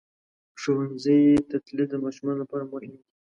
ښوونځي ته تلل د ماشومانو لپاره مهم دي.